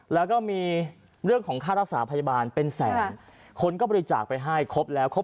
แล้วก็มีเรื่องของค่ารักษาพยาบาลเป็นแสนคนก็บริจาคไปให้ครบแล้วครบ